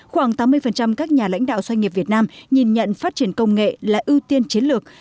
khoảng tám mươi các nhà lãnh đạo doanh nghiệp việt nam nhìn nhận phát triển công nghệ là ưu tiên chiến lược